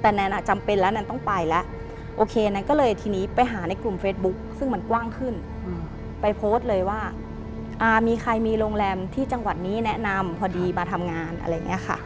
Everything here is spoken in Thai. แต่แนนอ่ะจำเป็นแล้วแนนต้องไปแล้วโอเคแนนก็เลยทีนี้ไปหาในกลุ่มเฟซบุ๊คซึ่งมันกว้างขึ้นไปโพสต์เลยว่ามีใครมีโรงแรมที่จังหวัดนี้แนะนำพอดีมาทำงานอะไรอย่างนี้ค่ะ